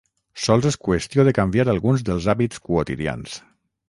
Sols és qüestió de canviar alguns dels hàbits quotidians.